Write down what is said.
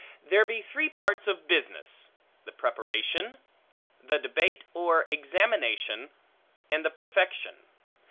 There be three parts of business; the preparation, the debate or examination, and the perfection.